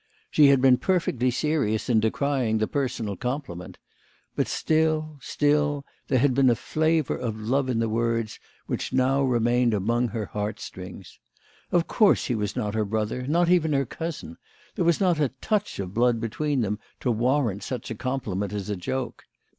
She had been perfectly serious in decrying the personal compliment ; but still, still, there had been a flavour of love in the words which now remained among her heartstrings. Of course he was not her brother not even her cousin. There was not a touch of blood between them to warrant such a compliment as a joke.